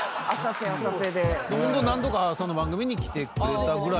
ホント何度か朝の番組に来てくれたぐらいで。